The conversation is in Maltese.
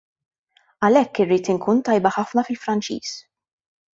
Għalhekk irrid inkun tajba ħafna fil-Franċiż.